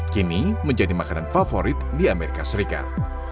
kini menjadi makanan favorit di amerika serikat